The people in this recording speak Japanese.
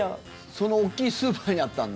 その大きいスーパーにあったんだ。